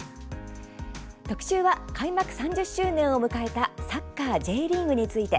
特集は、開幕３０周年を迎えたサッカー、Ｊリーグについて。